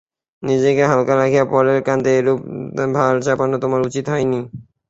নিজেকে হালকা রাখিয়া পরের স্কন্ধে এরূপ ভার চাপানো তোমার উচিত হয় নাই।